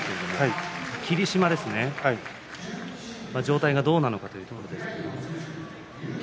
霧島ですね、状態がどうなのかというところですが。